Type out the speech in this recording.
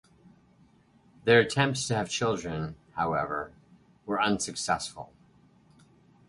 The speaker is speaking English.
Their attempts to have children, however, were unsuccessful.